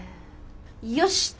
よしと。